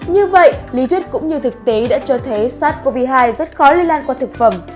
như vậy lý thuyết cũng như thực tế đã cho thấy sars cov hai rất khó lây lan qua thực phẩm